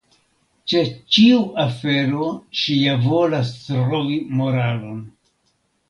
Ĉe ĉiu afero ŝi ja volas trovi moralon.